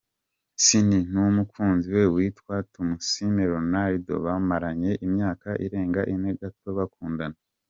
Ciney n’umukunziwe witwa Tumusiime Ronald bamaranye imyaka irenga ine gato bakunda.